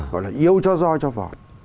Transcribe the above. gọi là yêu cho roi cho vọt